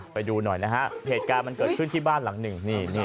ไปดูหน่อยนะฮะเหตุการณ์มันเกิดขึ้นที่บ้านหลังหนึ่ง